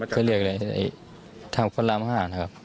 ก็เรียกอะไรทางฟรรมห้านะครับ